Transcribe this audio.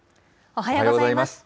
おはようございます。